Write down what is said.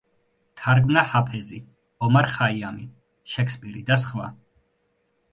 თარგმნა ჰაფეზი, ომარ ხაიამი, შექსპირი და სხვა.